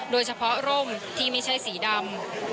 โดยเฉพาะร่มที่ไม่ใช่สีดำ